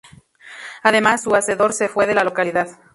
Además su hacedor se fue de la localidad.